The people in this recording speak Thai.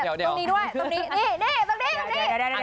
ตรงนี้ด้วยตรงนี้นี่ตรงนี้ตรงนี้